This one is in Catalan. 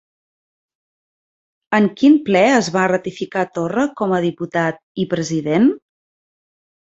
En quin ple es va ratificar Torra com a diputat i president?